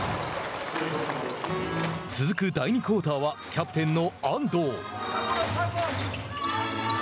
続く第２クオーターはキャプテンの安藤。